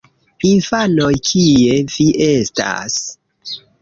Infanoj... kie vi estas?